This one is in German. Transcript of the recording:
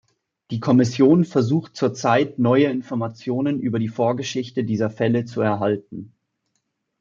Die Kommission versucht zur Zeit, neue Informationen über die Vorgeschichte dieser Fälle zu erhalten.